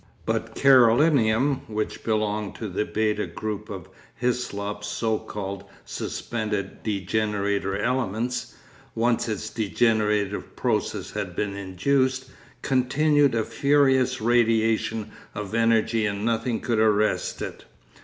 But Carolinum, which belonged to the β Group of Hyslop's so called 'suspended degenerator' elements, once its degenerative process had been induced, continued a furious radiation of energy and nothing could arrest it.